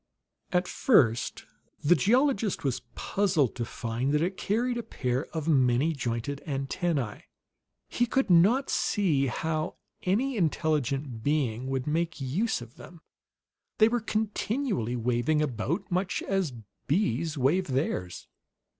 At first the geologist was puzzled to find that it carried a pair of many jointed antennae. He could not see how any intelligent being would make use of them; they were continually waving about, much as bees wave theirs.